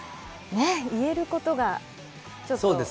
言えることがちょっと少なくて。